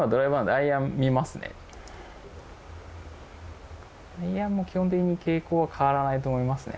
アイアンも基本的に傾向は変わらないと思いますね。